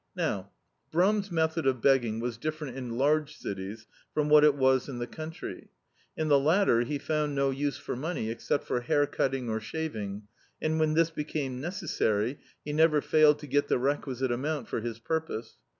Now, Brum's method of begging was dif ferent in large cities from what it was in the country. In the latter he found no use for money, except for hair cutting or shaving; and when this became neces sary he never failed to get the requisite amount for his purpose.